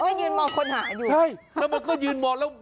แล้วมันก็ยืนมองคนหาอยู่ใช่แล้วมันก็ยืนมอง